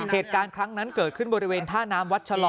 เหตุการณ์ครั้งนั้นเกิดขึ้นบริเวณท่าน้ำวัดชะลอ